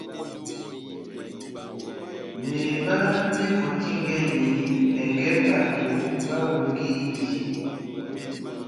Meheba mewɔtingɛni ɛngɛ bato bahongindi.